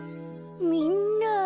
みんな。